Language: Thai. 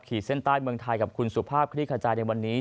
เส้นใต้เมืองไทยกับคุณสุภาพคลี่ขจายในวันนี้